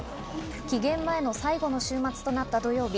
期限前の最後の週末となった土曜日。